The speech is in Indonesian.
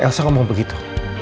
dengar elsa ngomong begitu